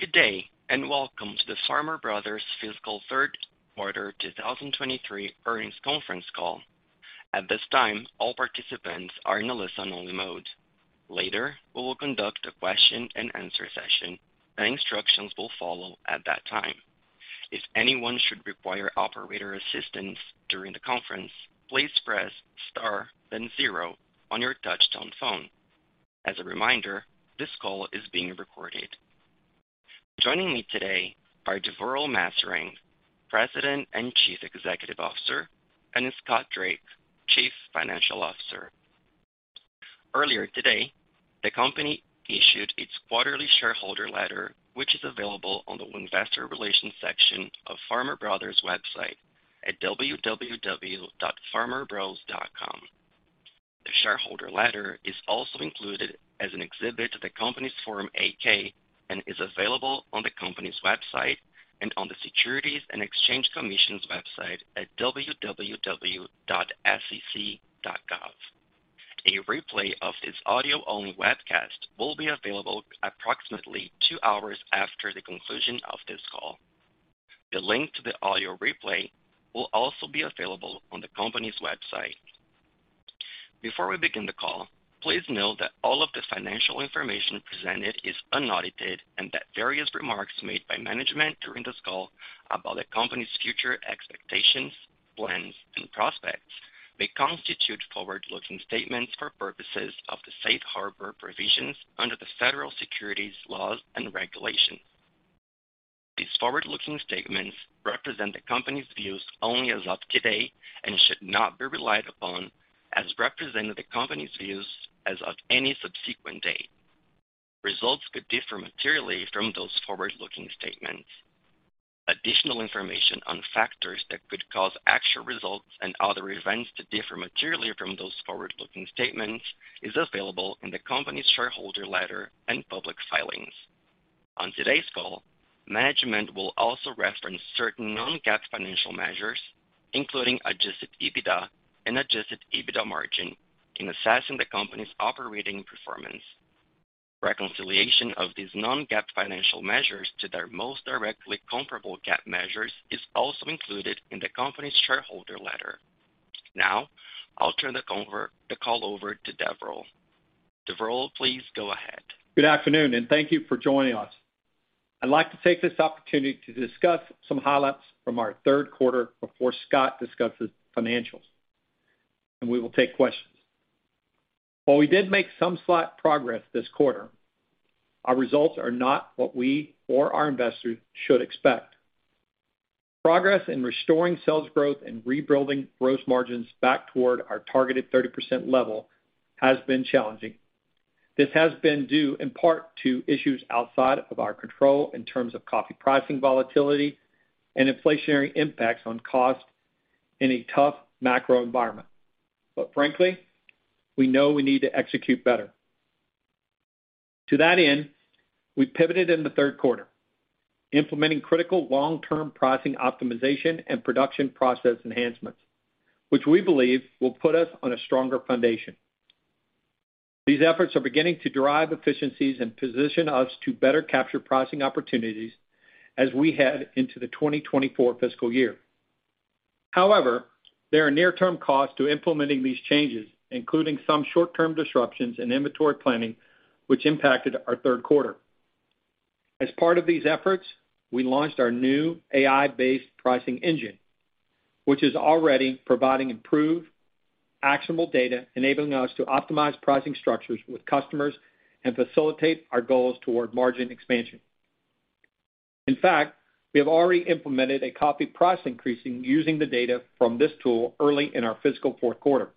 Good day, and welcome to the Farmer Brothers fiscal 3rd quarter 2023 earnings conference call. At this time, all participants are in a listen-only mode. Later, we will conduct a question-and-answer session, and instructions will follow at that time. If anyone should require operator assistance during the conference, please press Star then zero on your touchtone phone. As a reminder, this call is being recorded. Joining me today are Deverl Maserang, President and Chief Executive Officer, and Scott Drake, Chief Financial Officer. Earlier today, the company issued its quarterly shareholder letter, which is available on the Investor Relations section of Farmer Brothers' website at www.farmerbros.com. The shareholder letter is also included as an exhibit to the company's Form 8-K and is available on the company's website and on the Securities and Exchange Commission's website at www.sec.gov. A replay of this audio-only webcast will be available approximately two hours after the conclusion of this call. The link to the audio replay will also be available on the company's website. Before we begin the call, please note that all of the financial information presented is unaudited and that various remarks made by management during this call about the company's future expectations, plans, and prospects may constitute forward-looking statements for purposes of the safe harbor provisions under the Federal Securities laws and regulations. These forward-looking statements represent the company's views only as of today and should not be relied upon as representing the company's views as of any subsequent date. Results could differ materially from those forward-looking statements. Additional information on factors that could cause actual results and other events to differ materially from those forward-looking statements is available in the company's shareholder letter and public filings. On today's call, management will also reference certain non-GAAP financial measures, including adjusted EBITDA and adjusted EBITDA margin in assessing the company's operating performance. Reconciliation of these non-GAAP financial measures to their most directly comparable GAAP measures is also included in the company's shareholder letter. I'll turn the call over to Deverl. Deverl, please go ahead. Good afternoon, and thank you for joining us. I'd like to take this opportunity to discuss some highlights from our third quarter before Scott discusses financials, and we will take questions. While we did make some slight progress this quarter, our results are not what we or our investors should expect. Progress in restoring sales growth and rebuilding gross margins back toward our targeted 30% level has been challenging. This has been due in part to issues outside of our control in terms of coffee pricing volatility and inflationary impacts on cost in a tough macro environment. Frankly, we know we need to execute better. To that end, we pivoted in the third quarter, implementing critical long-term pricing optimization and production process enhancements, which we believe will put us on a stronger foundation. These efforts are beginning to drive efficiencies and position us to better capture pricing opportunities as we head into the 2024 fiscal year. However, there are near-term costs to implementing these changes, including some short-term disruptions in inventory planning, which impacted our third quarter. As part of these efforts, we launched our new AI-based pricing engine, which is already providing improved actionable data enabling us to optimize pricing structures with customers and facilitate our goals toward margin expansion. In fact, we have already implemented a copy price increase using the data from this tool early in our fiscal fourth quarter.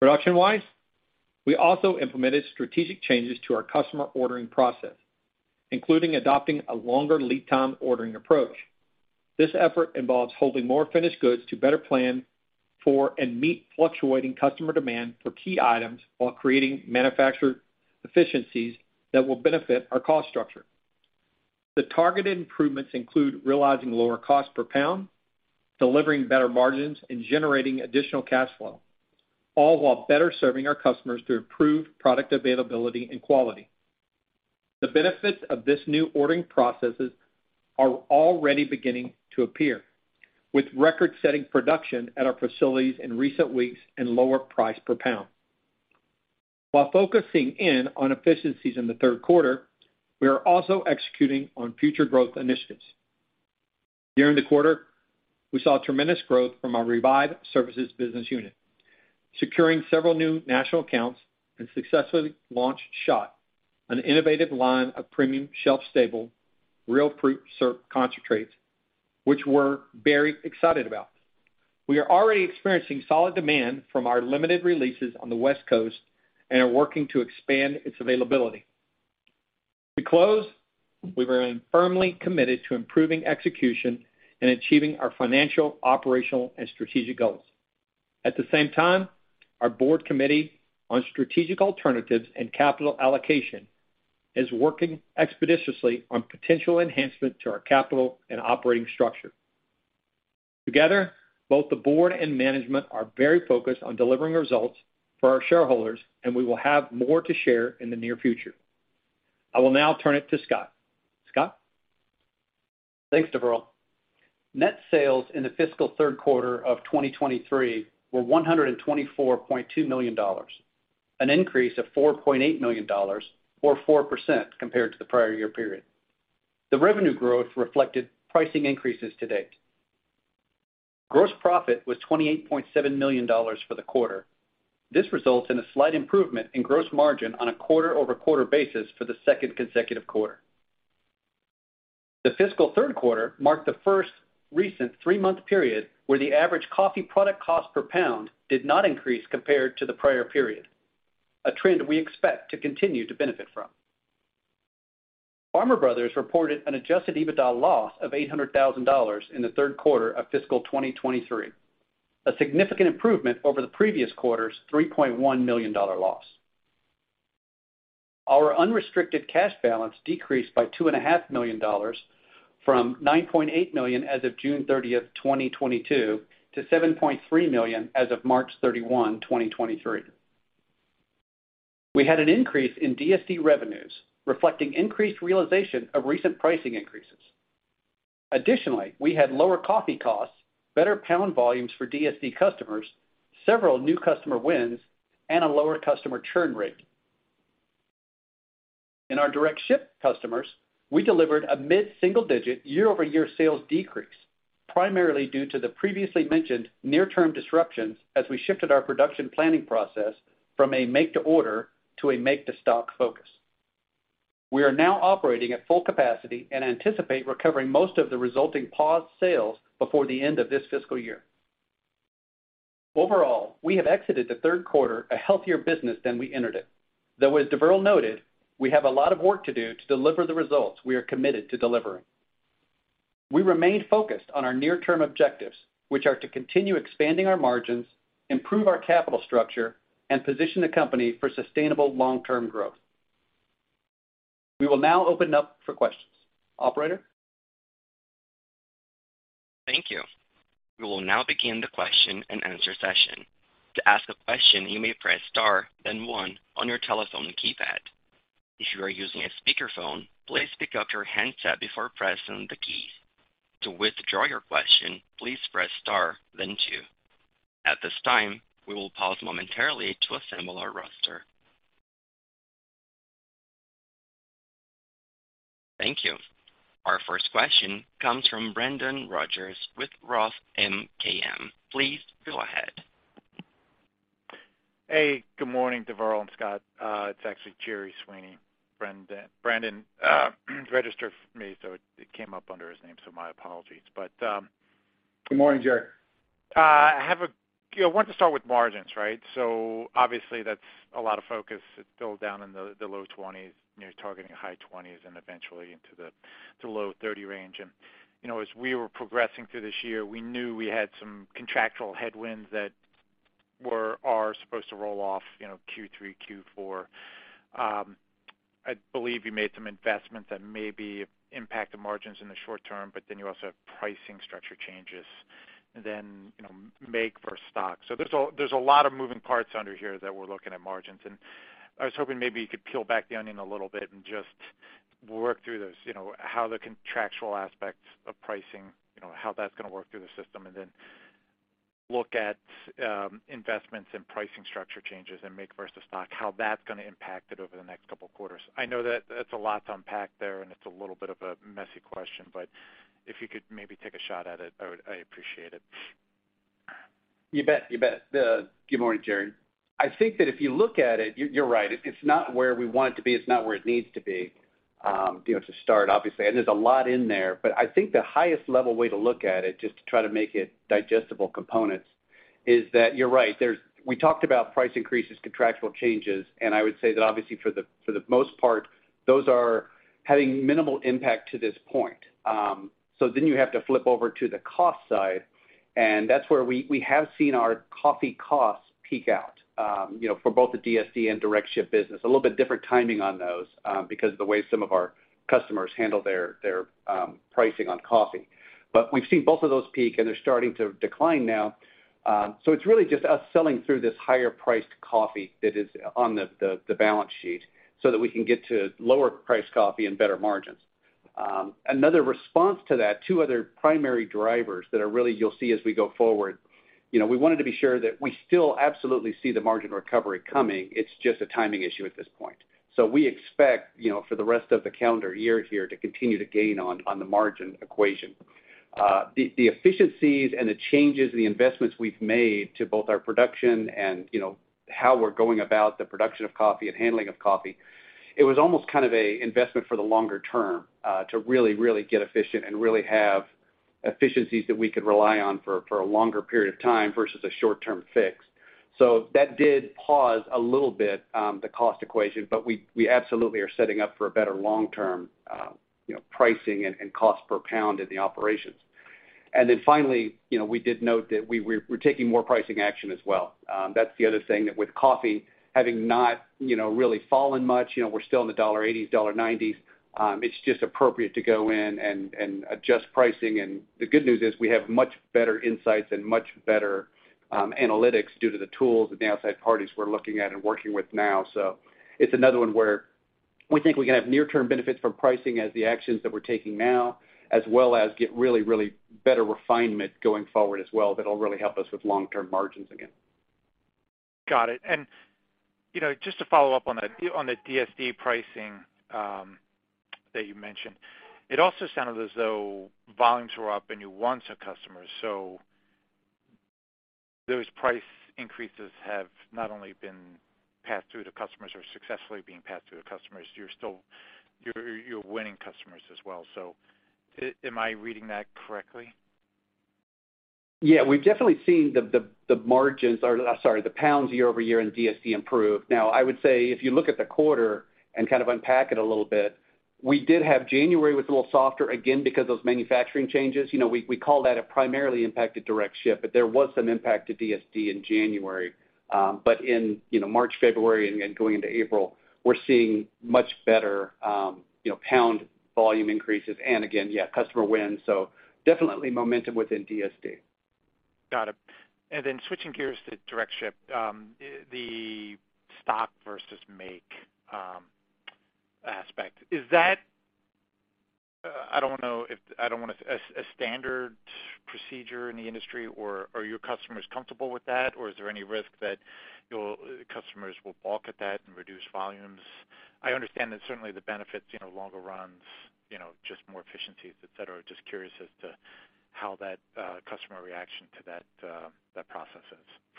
Production-wise, we also implemented strategic changes to our customer ordering process, including adopting a longer lead time ordering approach. This effort involves holding more finished goods to better plan for and meet fluctuating customer demand for key items while creating manufacturer efficiencies that will benefit our cost structure. The targeted improvements include realizing lower cost per pound, delivering better margins, and generating additional cash flow, all while better serving our customers through improved product availability and quality. The benefits of this new ordering processes are already beginning to appear, with record-setting production at our facilities in recent weeks and lower price per pound. Focusing in on efficiencies in the third quarter, we are also executing on future growth initiatives. During the quarter, we saw tremendous growth from our REVIVE services business unit, securing several new national accounts and successfully launched SHOTT, an innovative line of premium shelf-stable, real fruit syrup concentrates, which we're very excited about. We are already experiencing solid demand from our limited releases on the West Coast and are working to expand its availability. To close, we remain firmly committed to improving execution and achieving our financial, operational, and strategic goals. At the same time, our board committee on strategic alternatives and capital allocation is working expeditiously on potential enhancements to our capital and operating structure. Together, both the board and management are very focused on delivering results for our shareholders. We will have more to share in the near future. I will now turn it to Scott. Scott? Thanks, Deverl. Net sales in the fiscal third quarter of 2023 were $124.2 million, an increase of $4.8 million or 4% compared to the prior year period. The revenue growth reflected pricing increases to date. Gross profit was $28.7 million for the quarter. This results in a slight improvement in gross margin on a quarter-over-quarter basis for the second consecutive quarter. The fiscal third quarter marked the first recent three-month period where the average coffee product cost per pound did not increase compared to the prior period, a trend we expect to continue to benefit from. Farmer Brothers reported an adjusted EBITDA loss of $800,000 in the third quarter of fiscal 2023, a significant improvement over the previous quarter's $3.1 million loss. Our unrestricted cash balance decreased by $ 2.5 million from $9.8 million as of June 30, 2022, to $7.3 million as of March 31, 2023. We had an increase in DSD revenues, reflecting increased realization of recent pricing increases. Additionally, we had lower coffee costs, better pound volumes for DSD customers, several new customer wins, and a lower customer churn rate. In our direct ship customers, we delivered a mid-single-digit year-over-year sales decrease, primarily due to the previously mentioned near-term disruptions as we shifted our production planning process from a make-to-order to a make-to-stock focus. We are now operating at full capacity and anticipate recovering most of the resulting paused sales before the end of this fiscal year. Overall, we have exited the third quarter a healthier business than we entered it. As Deverl noted, we have a lot of work to do to deliver the results we are committed to delivering. We remain focused on our near-term objectives, which are to continue expanding our margins, improve our capital structure, and position the company for sustainable long-term growth. We will now open up for questions. Operator? Thank you. We will now begin the question-and-answer session. To ask a question, you may press star, then one on your telephone keypad. If you are using a speakerphone, please pick up your handset before pressing the key. To withdraw your question, please press star, then two. At this time, we will pause momentarily to assemble our roster. Thank you. Our first question comes from Brandon Rogers with ROTH MKM. Please go ahead. Hey, good morning, Deverl and Scott. It's actually Gerry Sweeney. Brandon registered for me, so it came up under his name, so my apologies. Good morning, Gerry. You know, want to start with margins, right? Obviously that's a lot of focus. It's still down in the low 20s. You're targeting high 20s and eventually into the low 30 range. You know, as we were progressing through this year, we knew we had some contractual headwinds that are supposed to roll off, you know, Q3, Q4. I believe you made some investments that maybe impact the margins in the short term, but then you also have pricing structure changes, then, you know, make versus stock. There's a lot of moving parts under here that we're looking at margins. I was hoping maybe you could peel back the onion a little bit and just work through those, you know, how the contractual aspects of pricing, you know, how that's gonna work through the system, then look at investments and pricing structure changes and make versus stock, how that's gonna impact it over the next couple of quarters. I know that it's a lot to unpack there, and it's a little bit of a messy question, but if you could maybe take a shot at it, I would, I appreciate it. You bet. You bet. good morning, Gerry. I think that if you look at it, you're right. It's not where we want it to be. It's not where it needs to be, you know, to start, obviously. There's a lot in there. I think the highest level way to look at it, just to try to make it digestible components is that you're right. We talked about price increases, contractual changes, and I would say that obviously for the, for the most part, those are having minimal impact to this point. You have to flip over to the cost side, and that's where we have seen our coffee costs peak out, you know, for both the DSD and direct ship business. A little bit different timing on those, because of the way some of our customers handle their pricing on coffee. We've seen both of those peak, and they're starting to decline now. It's really just us selling through this higher priced coffee that is on the balance sheet so that we can get to lower priced coffee and better margins. Another response to that, two other primary drivers that are really you'll see as we go forward. You know, we wanted to be sure that we still absolutely see the margin recovery coming. It's just a timing issue at this point. We expect, you know, for the rest of the calendar year here to continue to gain on the margin equation. The efficiencies and the changes, the investments we've made to both our production and, you know, how we're going about the production of coffee and handling of coffee, it was almost kind of an investment for the longer term, to really get efficient and really have efficiencies that we could rely on for a longer period of time versus a short-term fix. That did pause a little bit, the cost equation, but we absolutely are setting up for a better long-term, you know, pricing and cost per pound in the operations. Finally, you know, we did note that we're taking more pricing action as well. That's the other thing that with coffee having not, you know, really fallen much, you know, we're still in the $1.80s, $1.90s, it's just appropriate to go in and adjust pricing. The good news is we have much better insights and much better analytics due to the tools and the outside parties we're looking at and working with now. It's another one where we think we can have near-term benefits from pricing as the actions that we're taking now, as well as get really, really better refinement going forward as well that'll really help us with long-term margins again. Got it. you know, just to follow up on that, on the DSD pricing, that you mentioned, it also sounded as though volumes were up and you won some customers. those price increases have not only been passed through to customers or successfully being passed through to customers, you're still winning customers as well. am I reading that correctly? Yeah, we've definitely seen the margins, or sorry, the pounds year-over-year in DSD improve. I would say if you look at the quarter and kind of unpack it a little bit, we did have January was a little softer again because those manufacturing changes. You know, we call that a primarily impacted direct ship, but there was some impact to DSD in January. In, you know, March, February and going into April, we're seeing much better, you know, pound volume increases and again, yeah, customer wins. Definitely momentum within DSD. Got it. Switching gears to direct ship, the stock versus make aspect, is that a standard procedure in the industry, or are your customers comfortable with that, or is there any risk that your customers will balk at that and reduce volumes? I understand that certainly the benefits, you know, longer runs, you know, just more efficiencies, et cetera. Just curious as to how that customer reaction to that process is.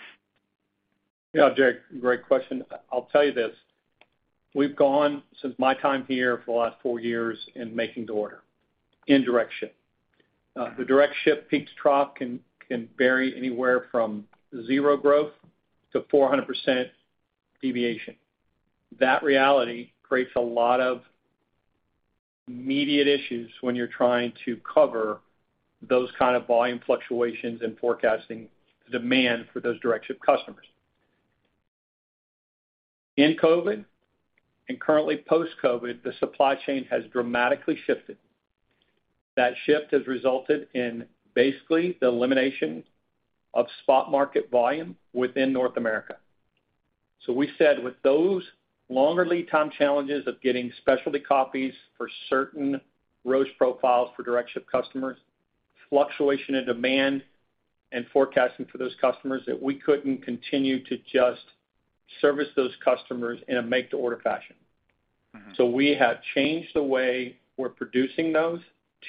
Yeah, Gerry, great question. I'll tell you this. We've gone, since my time here for the last four years, in make-to-order in direct ship. The direct ship peaks trough can vary anywhere from zero growth to 400% deviation. That reality creates a lot of immediate issues when you're trying to cover those kind of volume fluctuations and forecasting demand for those direct ship customers. In COVID and currently post-COVID, the supply chain has dramatically shifted. That shift has resulted in basically the elimination of spot market volume within North America. We said with those longer lead time challenges of getting specialty coffees for certain roast profiles for direct ship customers, fluctuation in demand and forecasting for those customers, that we couldn't continue to just service those customers in a make-to-order fashion. Mm-hmm. We have changed the way we're producing those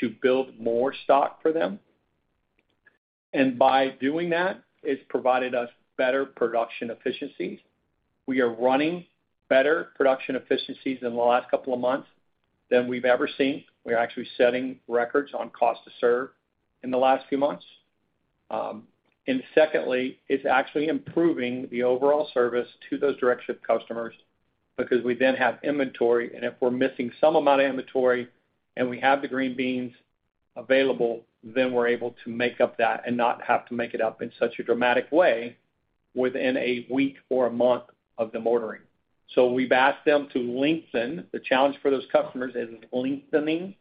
to build more stock for them. By doing that, it's provided us better production efficiencies. We are running better production efficiencies in the last couple of months than we've ever seen. We're actually setting records on cost to serve in the last few months. And secondly, it's actually improving the overall service to those direct ship customers because we then have inventory, and if we're missing some amount of inventory and we have the green beans available, then we're able to make up that and not have to make it up in such a dramatic way within a week or a month of them ordering. The challenge for those customers is lengthening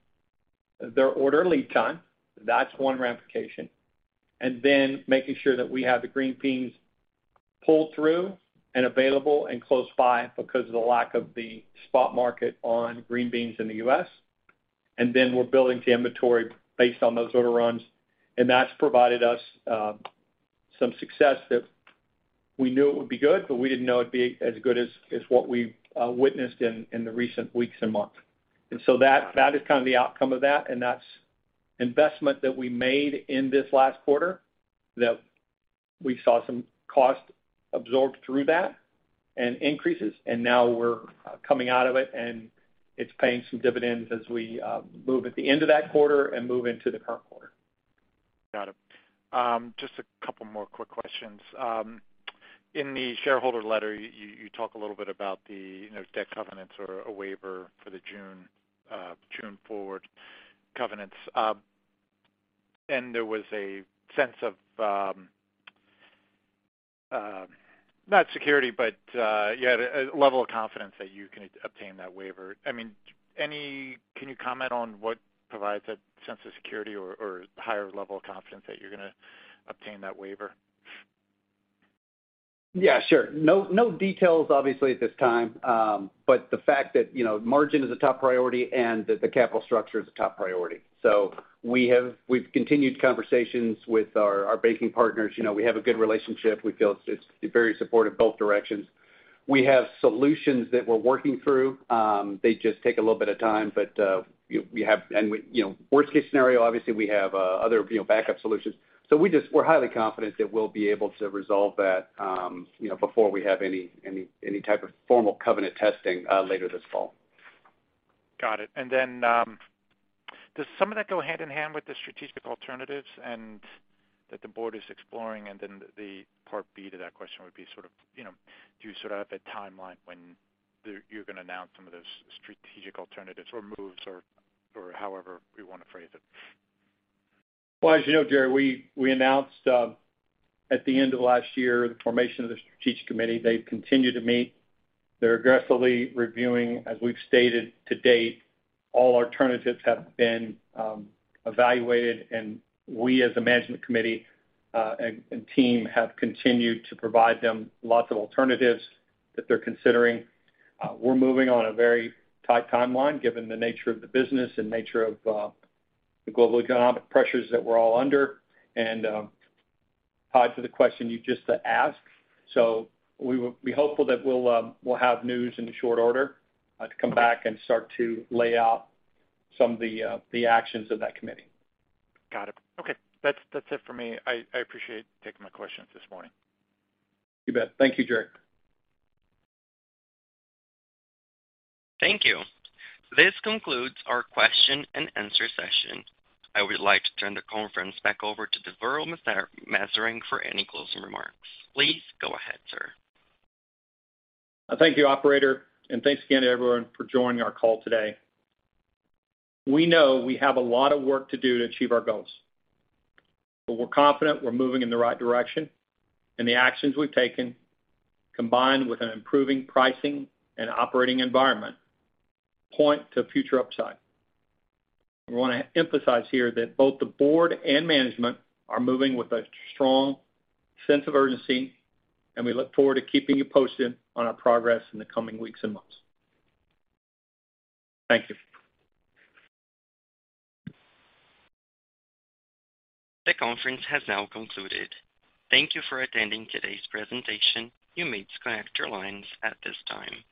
their order lead time. That's one ramification. Making sure that we have the green beans pulled through and available and close by because of the lack of the spot market on green beans in the U.S. We're building to inventory based on those order runs, and that's provided us some success that we knew it would be good, but we didn't know it'd be as good as what we've witnessed in the recent weeks and months. That is kind of the outcome of that, and that's investment that we made in this last quarter that we saw some cost absorbed through that and increases. We're coming out of it, and it's paying some dividends as we move at the end of that quarter and move into the current quarter. Got it. Just a couple more quick questions. In the shareholder letter, you talk a little bit about the, you know, debt covenants or a waiver for the June June forward covenants. There was a sense of not security, but you had a level of confidence that you can obtain that waiver. I mean, can you comment on what provides that sense of security or higher level of confidence that you're gonna obtain that waiver? Yeah, sure. No, no details obviously at this time. The fact that, you know, margin is a top priority and that the capital structure is a top priority. We've continued conversations with our banking partners. You know, we have a good relationship. We feel it's very supportive both directions. We have solutions that we're working through. They just take a little bit of time, but we, you know, worst case scenario, obviously, we have other, you know, backup solutions. We're highly confident that we'll be able to resolve that, you know, before we have any type of formal covenant testing later this fall. Got it. Does some of that go hand in hand with the strategic alternatives and that the board is exploring and then the part B to that question would be sort of, you know, do you sort of have a timeline when you're gonna announce some of those strategic alternatives or moves or however we wanna phrase it? Well, as you know, Gerry, we announced at the end of last year, the formation of the strategic committee. They've continued to meet. They're aggressively reviewing, as we've stated to date, all alternatives have been evaluated, and we as a management committee and team have continued to provide them lots of alternatives that they're considering. We're moving on a very tight timeline given the nature of the business and nature of the global economic pressures that we're all under, tied to the question you just asked. We're hopeful that we'll have news in the short order to come back and start to lay out some of the actions of that committee. Got it. Okay. That's it for me. I appreciate taking my questions this morning. You bet. Thank you, Gerry. Thank you. This concludes our question and answer session. I would like to turn the conference back over to Deverl Maserang for any closing remarks. Please go ahead, sir. Thank you, operator. Thanks again to everyone for joining our call today. We know we have a lot of work to do to achieve our goals. We're confident we're moving in the right direction, and the actions we've taken, combined with an improving pricing and operating environment, point to future upside. We wanna emphasize here that both the board and management are moving with a strong sense of urgency. We look forward to keeping you posted on our progress in the coming weeks and months. Thank you. The conference has now concluded. Thank you for attending today's presentation. You may disconnect your lines at this time.